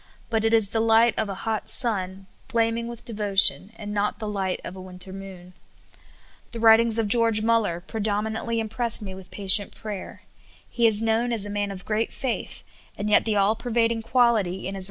But it is the light of a hot sun flaming with devotion, and not the light of a winter moon. The waitings of George Muller predominantly im pressed me with patient prayer. He is known as a man of great faith, and 3'et the all pervading quality in his 78 SOUL FOOD.